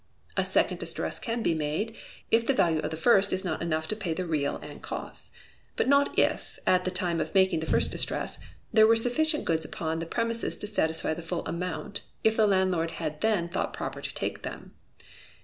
A second distress can be made, if the value of the first is not enough to pay the real and costs, but not if, at the time of making the first distress, there were sufficient goods upon the premises to satisfy the full amount, if the landlord had then thought proper to take them.